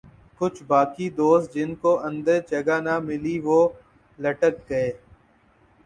کچھ باقی دوست جن کو اندر جگہ نہ ملی وہ لٹک گئے ۔